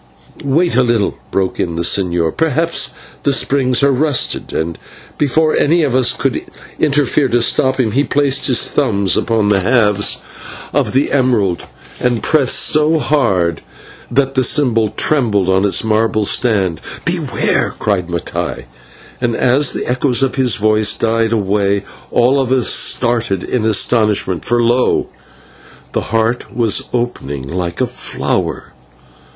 "Wait a little," broke in the señor, "perhaps the springs are rusted." And before any of us could interfere to stop him, he placed his thumb upon the halves of the emerald and pressed so hard that the symbol trembled on its marble stand. "Beware!" cried Mattai, and as the echoes of his voice died away all of us started in astonishment, for lo! the heart was opening like a flower.